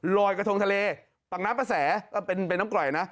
ลอยกระทงทะเลปากน้ำประแสเป็นน้ำกร่อยนะ